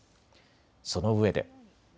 そのうえで。